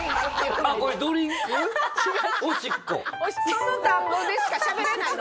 その単語でしかしゃべれないの？